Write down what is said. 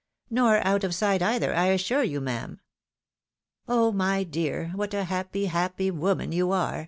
" Nor out of sight either, I assure you, ma'am." " Oh my dear, what a happy, happy, woman you are